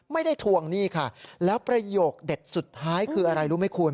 ทวงหนี้ค่ะแล้วประโยคเด็ดสุดท้ายคืออะไรรู้ไหมคุณ